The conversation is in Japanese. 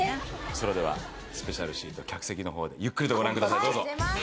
それではスペシャルシート客席でゆっくりとご覧ください。